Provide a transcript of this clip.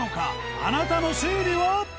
あなたの推理は？